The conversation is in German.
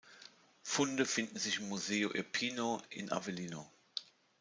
Funde finden sich im "Museo Irpino" in Avellino.